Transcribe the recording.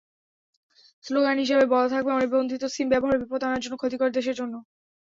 Slogan হিসেবে বলা থাকবে—অনিবন্ধিত সিম ব্যবহারে বিপদ আপনার জন্য, ক্ষতিকর দেশের জন্য।